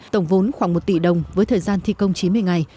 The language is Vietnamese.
tổng vốn khoảng một tỷ đồng với thời gian thi công chín mươi ngày